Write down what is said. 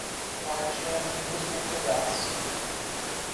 Partiu um minúsculo pedaço